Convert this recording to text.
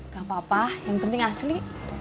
gak apa apa yang penting asli